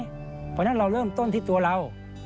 เพราะฉะนั้นเราเริ่มต้นที่ตัวเรา